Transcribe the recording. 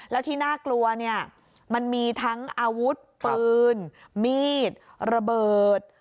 แล้วที่น่ากลัวเนี่ยมันมีทั้งอาวุธปืนมีดระเบิด